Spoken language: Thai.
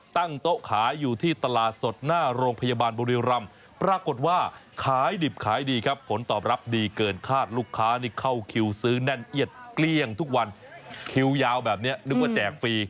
ตั้งโต๊ะขายอยู่ที่ตลาดสดหน้าโรงพยาบาลบุรีรำปรากฏว่าขายดิบขายดีครับผลตอบรับดีเกินคาดลูกค้านี่เข้าคิวซื้อแน่นเอียดเกลี้ยงทุกวันคิวยาวแบบนี้นึกว่าแจกฟรี